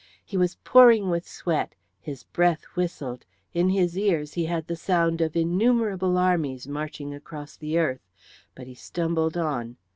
He was pouring with sweat, his breath whistled, in his ears he had the sound of innumerable armies marching across the earth, but he stumbled on.